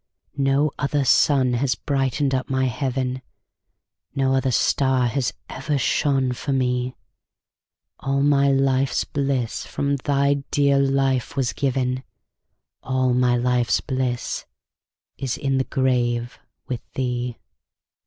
No other sun has brightened up my heaven, No other star has ever shone for me; All my life's bliss from thy dear life was given, All my life's bliss is in the grave with thee.